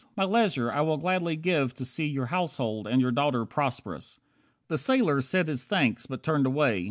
My leisure I will gladly give to see Your household and your daughter prosperous." The sailor said his thanks, but turned away.